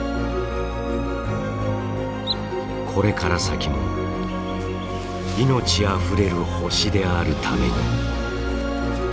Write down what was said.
これから先も命あふれる星であるために。